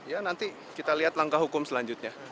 ya nanti kita lihat langkah hukum selanjutnya